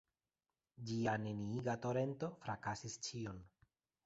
Ĝia neniiga torento frakasis ĉion.